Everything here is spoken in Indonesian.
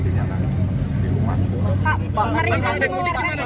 suasana juga akan diberlakukan pak nantinya